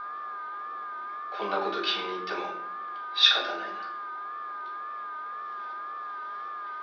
こんなこと君に言ってもしかたないな。